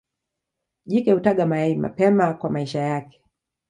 Jike hutaga mayai mapema kwa maisha yake.